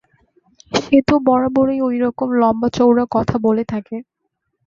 সে তো বরাবরই ঐরকম লম্বাচৌড়া কথা বলে থাকে।